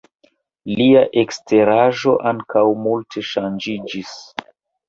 Lia eksteraĵo ankaŭ multe ŝanĝiĝis.